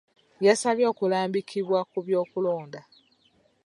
Yasabye okulambikibwa ku by'okulonda.